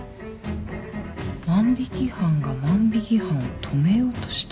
万引犯が万引犯を止めようとした？